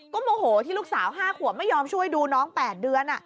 โมโหที่ลูกสาว๕ขวบไม่ยอมช่วยดูน้อง๘เดือน